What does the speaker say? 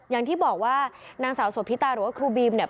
อย่างที่บอกว่านางสาวโสพิตาหรือว่าครูบีมเนี่ย